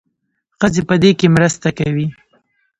ښځې په دې کې مرسته کوي.